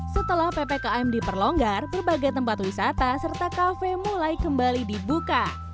setelah ppkm diperlonggar berbagai tempat wisata serta kafe mulai kembali dibuka